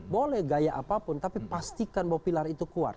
boleh gaya apapun tapi pastikan bahwa pilar itu kuat